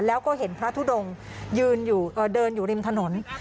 แล้วก็เห็นพระทุดงเดินอยู่ริมถนน